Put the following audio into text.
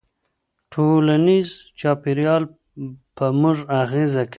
ټولنیز چاپېریال په موږ اغېزه کوي.